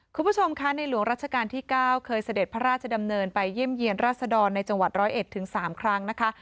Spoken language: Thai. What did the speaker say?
คุณผู้ชมคะในหลวงรัชกาลที่๙เคยเสด็จพระราชดำเนินไปเยี่ยมเยี่ยนราษดรในจังหวัด๑๐๑ถึง๓ครั้งนะคะ